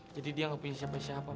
jadi dia gak punya siapa siapa pak